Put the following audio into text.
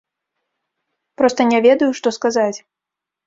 Проста не ведаю, што сказаць.